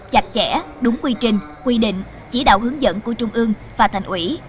gặp trẻ đúng quy trình quy định chỉ đạo hướng dẫn của trung ương và thành ủy